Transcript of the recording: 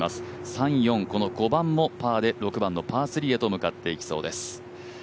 ３、４、この５番もパーで、６番のパー３へと向かっていきそうです。